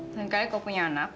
selain kali kau punya anak